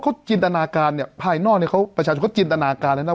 เขาจินตนาการเนี่ยภายนอกเนี่ยเขาประชาชนเขาจินตนาการเลยนะ